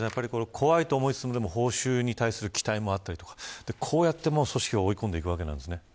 怖いと思いつつも報酬に対する期待もあったりとかこうやって組織が追い込んでいくわけなんですね。